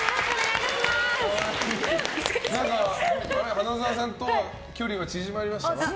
花澤さんと距離が縮まりました？